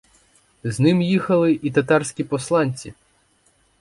З ним їхали і татарські посланці.